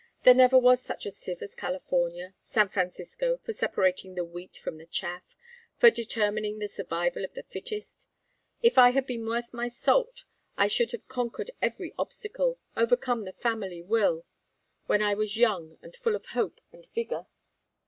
"There never was such a sieve as California San Francisco for separating the wheat from the chaff for determining the survival of the fittest. If I had been worth my salt I should have conquered every obstacle, overcome the family will, when I was young and full of hope and vigor.